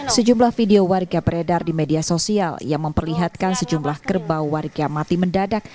sejumlah video warga beredar di media sosial yang memperlihatkan sejumlah kerbau warga mati mendadak